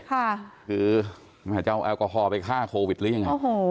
ค่ะคือเหมือนจะเอาแอลกอฮอล์ไปฆ่าโควิดหรือยัง